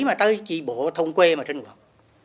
mà tới tri bộ thôn quê mà sinh hoạt